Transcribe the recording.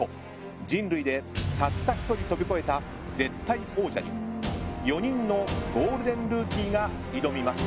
人類でたった一人跳び越えた絶対王者に４人のゴールデンルーキーが挑みます。